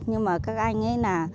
nhưng mà các anh ấy là